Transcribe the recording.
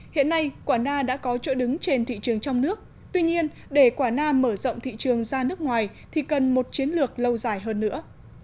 hiện nay quả na đã có chỗ đứng trên thị trường trong nước tuy nhiên để quả na mở rộng thị trường ra nước ngoài thì cần một chiến lược lâu dài hơn nữa